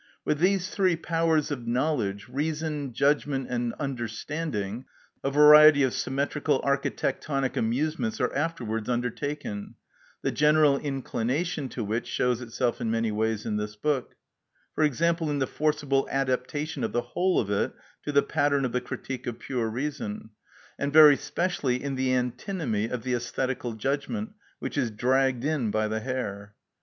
With these three powers of knowledge, reason, judgment, and understanding, a variety of symmetrical architectonic amusements are afterwards undertaken, the general inclination to which shows itself in many ways in this book; for example, in the forcible adaptation of the whole of it to the pattern of the "Critique of Pure Reason," and very specially in the antinomy of the æsthetical judgment, which is dragged in by the hair.